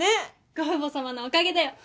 ご父母様のおかげだわ。